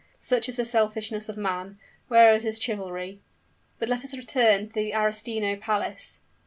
Such is the selfishness of man! Where is his chivalry? But let us return to the Arestino Palace.